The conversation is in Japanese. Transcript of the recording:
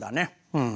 うん。